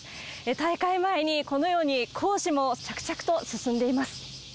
大会前にこのように工事も着々と進んでいます。